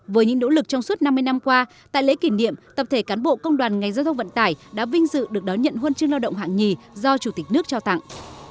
với những nỗ lực trong suốt năm mươi năm qua tại lễ kỷ niệm tập thể cán bộ công đoàn ngành giao thông vận tải đã vinh dự được đón nhận huân chương lao động hạng nhì do chủ tịch nước trao tặng